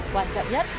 quan trọng nhất